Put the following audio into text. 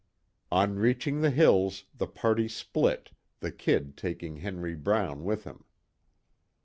On reaching the hills, the party split, the "Kid" taking Henry Brown with him.